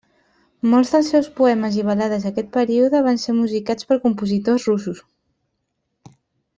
Molts dels seus poemes i balades aquest període van ser musicats per compositors russos.